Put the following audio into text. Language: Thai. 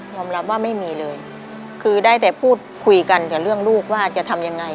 รับว่าไม่มีเลยคือได้แต่พูดคุยกันกับเรื่องลูกว่าจะทำยังไง